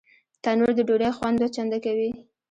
تنور د ډوډۍ خوند دوه چنده کوي